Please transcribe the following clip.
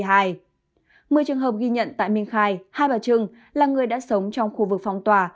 một trường hợp ghi nhận tại minh khai hai bà trưng là người đã sống trong khu vực phong tỏa